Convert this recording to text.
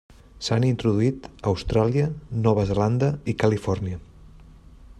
S'han introduït a Austràlia, Nova Zelanda, i Califòrnia.